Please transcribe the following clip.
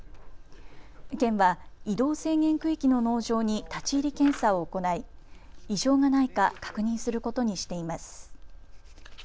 県は移動制限区域の農場に立ち入り検査を行い異常がないか確認することにしています。